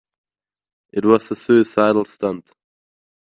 It was a suicidal stunt.